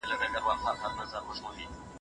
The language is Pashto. سیاست ته پام وکړئ.